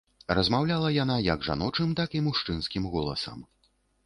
Размаўляла яна як жаночым, так і мужчынскім голасам.